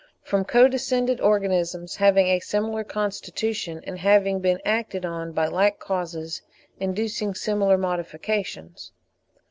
from co descended organisms having a similar constitution, and having been acted on by like causes inducing similar modifications.